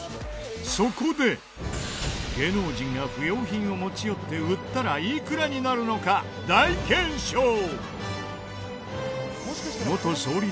そこで芸能人が不要品を持ち寄って売ったらいくらになるのか大検証！